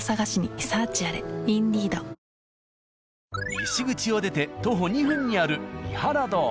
西口を出て徒歩２分にある「三原堂」。